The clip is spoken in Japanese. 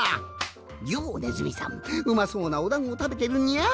「よおネズミさんうまそうなおだんごたべてるにゃあ」。